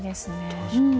確かに。